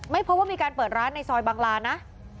พบว่ามีการเปิดร้านในซอยบังลานะ